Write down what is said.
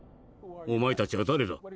「お前たちは誰だ？